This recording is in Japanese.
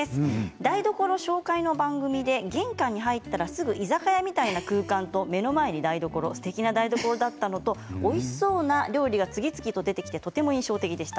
台所紹介の番組で玄関に入ったらすぐに居酒屋みたいな空間と目の前にすてきな台所があったのとおいしそうな料理が次々出てきてとても印象的でした。